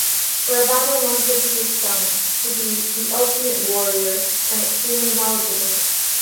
Ravana wanted his son to be the ultimate warrior and extremely knowledgeable.